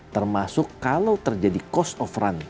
termasuk kalau terjadi cost of run